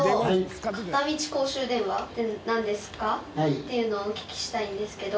っていうのをお聞きしたいんですけど。